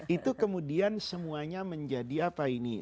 itu kemudian semuanya menjadi apa ini